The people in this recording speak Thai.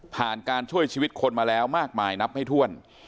การช่วยชีวิตคนมาแล้วมากมายนับไม่ถ้วน